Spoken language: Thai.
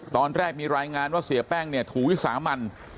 ตอนแรกมีรายงานว่าเสียแป้งเนี่ยถูกวิสามัน